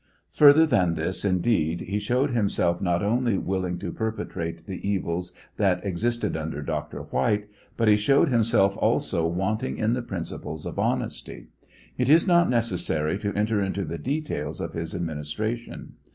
Fm ther than this, indeed, he showed himself not only willing to perpetrate the evils that existed under Dr. White, but he showed himself also wanting in the prin ciples of honesty. It is not necessary to enter into the details of his admin istration.